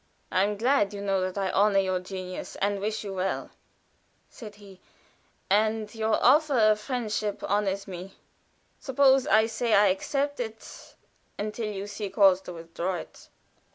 "I am glad, you know, that I honor your genius, and wish you well," said he, "and your offer of friendship honors me. Suppose I say I accept it until you see cause to withdraw it."